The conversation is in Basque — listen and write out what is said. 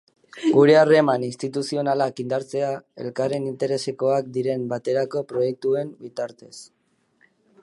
Gure harreman instituzionalak indartzea, elkarren interesekoak diren baterako proiektuen bitartez.